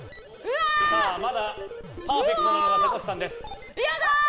まだパーフェクトはザコシさんです。